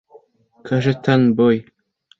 Cajetan Boy